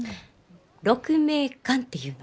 鹿鳴館っていうの。